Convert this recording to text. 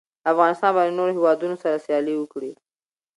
افغانستان به له نورو هېوادونو سره سیالي وکړي.